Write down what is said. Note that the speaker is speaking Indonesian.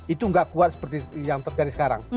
itu nggak kuat seperti yang terjadi sekarang